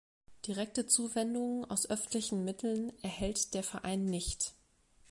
Direkte Zuwendungen aus öffentlichen Mitteln erhält der Verein nicht.